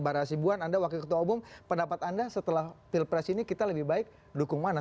bara asibuan anda wakil ketua umum pendapat anda setelah pilpres ini kita lebih baik dukung mana